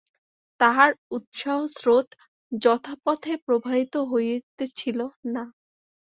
তাঁহার উৎসাহস্রোত যথাপথে প্রবাহিত হইতেছিল না।